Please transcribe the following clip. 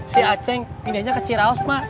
si aceh pindahnya ke ciraus mak